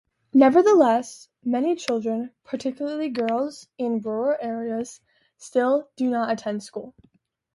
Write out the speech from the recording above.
Nevertheless, many children-particularly girls in rural areas-still do not attend school.